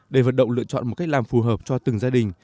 để vận động lựa chọn một cách làm phù hợp cho từng gia đình